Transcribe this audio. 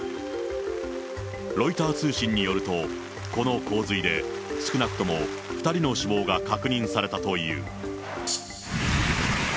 ロイター通信によると、この洪水で少なくとも２人の死亡が確認されたという。